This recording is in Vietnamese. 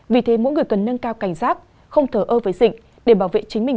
vì thế mỗi người cần nâng cao cảnh giác không thờ ơ với dịch để bảo vệ chính mình